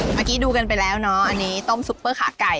เมื่อกี้ดูกันไปแล้วเนาะอันนี้ต้มซุปเปอร์ขาไก่